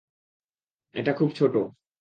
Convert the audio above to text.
এটা খুব ছোট!